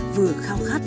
vừa khao khát